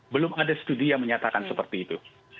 belum ada studi yang menyatakan seperti itu